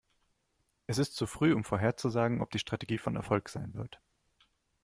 Es ist zu früh, um vorherzusagen, ob die Strategie von Erfolg sein wird.